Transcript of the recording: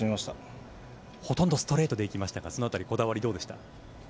ほとんどストレートでいきましたがこだわりはどうでしたか。